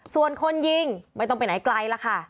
ส่วนคนยิงไม่ต้องไปไหนไกลแล้วค่ะ